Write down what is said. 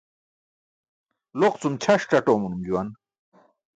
Loq cum ćʰas caṭ oomanum juwan.